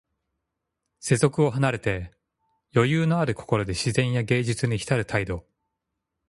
世俗を離れて、余裕ある心で自然や芸術にひたる態度。